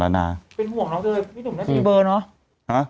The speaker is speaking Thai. เป็นห่วงน้องเตยมีเบอร์เนอะ